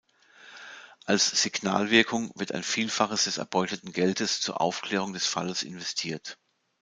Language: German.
Als Signalwirkung wird ein Vielfaches des erbeuteten Geldes zur Aufklärung des Falles investiert.